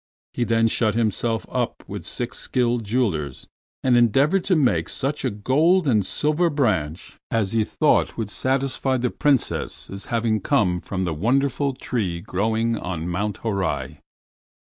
He then shut himself up with six skilled jewelers, and endeavored to make such a gold and silver branch as he thought would satisfy the Princess as having come from the wonderful tree growing on Mount Horai.